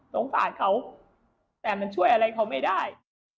สงสารเขาแต่มันช่วยอะไรเขาไม่ได้